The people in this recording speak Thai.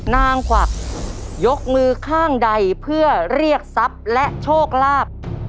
นางกวักยกมือข้างใดเพื่อเรียกทรัพย์และโชคลาภ